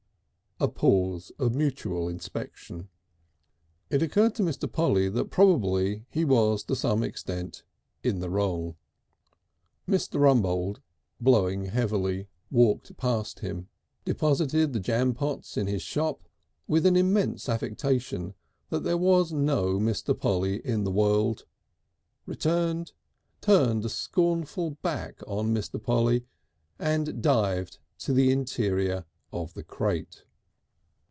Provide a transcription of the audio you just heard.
Pause of mutual inspection. It occurred to Mr. Polly that probably he was to some extent in the wrong. Mr. Rumbold, blowing heavily, walked past him, deposited the jampots in his shop with an immense affectation that there was no Mr. Polly in the world, returned, turned a scornful back on Mr. Polly and dived to the interior of the crate.